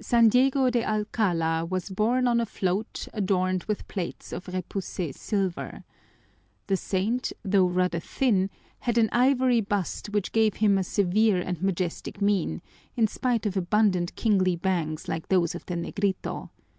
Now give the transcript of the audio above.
San Diego de Alcala was borne on a float adorned with plates of repoussé silver. The saint, though rather thin, had an ivory bust which gave him a severe and majestic mien, in spite of abundant kingly bangs like those of the Negrito.